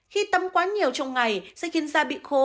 khi tâm quá nhiều trong ngày sẽ khiến da bị khô